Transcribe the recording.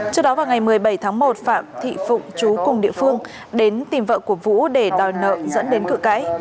trước đó vào ngày một mươi bảy tháng một phạm thị phụng chú cùng địa phương đến tìm vợ của vũ để đòi nợ dẫn đến cự cãi